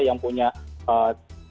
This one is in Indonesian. yang punya eee